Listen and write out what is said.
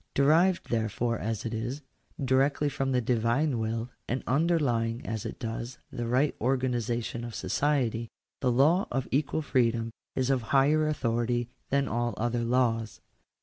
Derived, therefore, as it is, directly from the Divine will, and underlying as it does the right organization of society, the law of equal freedom is of higher authority than all other laws.